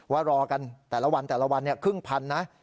ว่ารอกันแต่ละวันแต่ละวันครึ่งพันนะ